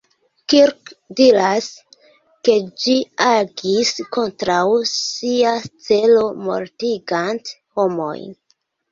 Kirk diras, ke ĝi agis kontraŭ sia celo mortigante homojn.